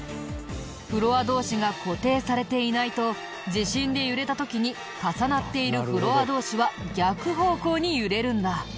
フロア同士が固定されていないと地震で揺れた時に重なっているフロア同士は逆方向に揺れるんだ。